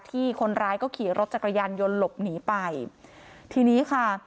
ที่คนร้ายก็ขี่รถจักรยานยนต์หลบหนีไปทีนี้ค่ะ